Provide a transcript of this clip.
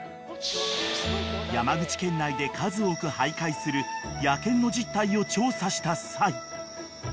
［山口県内で数多く徘徊する野犬の実態を調査した際］